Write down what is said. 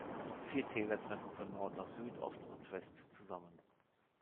Vier Täler treffen von Nord nach Süd, Ost und West zusammen.